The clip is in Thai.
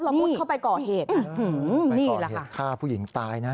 แล้วมุดเข้าไปก่อเหตุไปก่อเหตุฆ่าผู้หญิงตายนะ